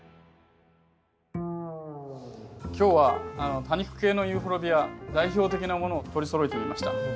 今日は多肉系のユーフォルビア代表的なものを取りそろえてみました。